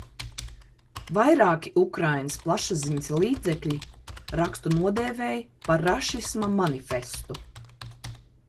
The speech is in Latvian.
Vairāki Ukrainas plašsaziņas līdzekļi rakstu nodēvēja par rašisma manifestu.